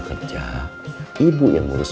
harganya juga bagus